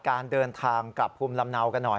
การเดินทางกลับภูมิลำเนากันหน่อย